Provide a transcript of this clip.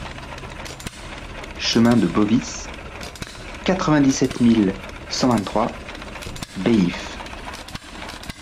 Chemin de Bovis, quatre-vingt-dix-sept mille cent vingt-trois Baillif